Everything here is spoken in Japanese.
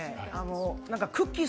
くっきー！